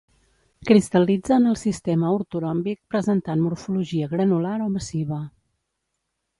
Cristal·litza en el sistema ortoròmbic presentant morfologia granular o massiva.